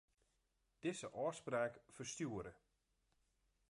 Dizze ôfspraak ferstjoere.